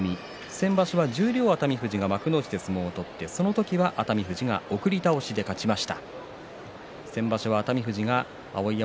先場所は十両熱海富士が幕内で相撲を取って熱海富士が送り倒しで勝っています。